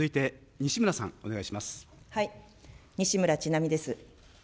西村智奈美です。